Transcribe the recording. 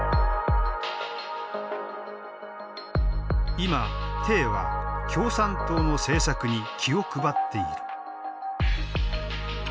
今は共産党の政策に気を配っている。